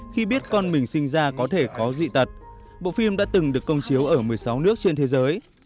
khi biết con mình sinh ra có thể có dị tật bộ phim đã từng được công chiếu ở một mươi sáu nước trên thế giới